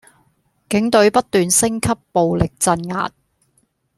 警隊不斷升級暴力鎮壓